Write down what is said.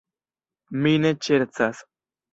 Mi ne ŝercas.